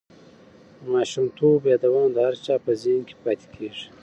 د ماشومتوب یادونه د هر چا په زهن کې پاتې کېږي.